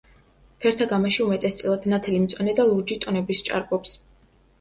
ფერთა გამაში უმეტესწილად ნათელი მწვანე და ლურჯი ტონები სჭარბობს.